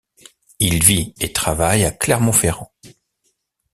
Il vit et travaille à Clermont-Ferrand.